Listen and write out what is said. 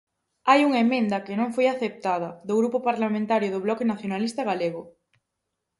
Hai unha emenda, que non foi aceptada, do Grupo Parlamentario do Bloque Nacionalista Galego.